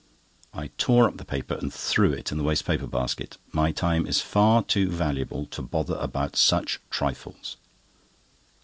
I tore up the paper and threw it in the waste paper basket. My time is far too valuable to bother about such trifles.